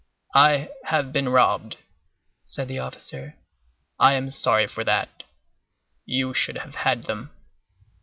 "I have been robbed," said the officer; "I am sorry for that. You should have had them."